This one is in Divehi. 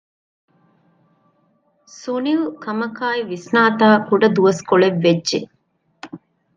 ސުނިލް ކަމަކާއި ވިސްނާތާކުޑަ ދުވަސްކޮޅެއް ވެއްޖެ